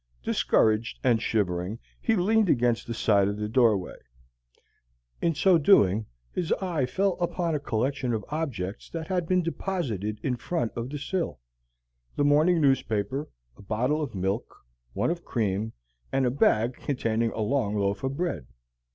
Discouraged and shivering, he leaned against the side of the doorway. In so doing, his eye fell upon a collection of objects that had been deposited in front of the sill the morning newspaper, a bottle of milk, one of cream, and a bag containing a long loaf of bread.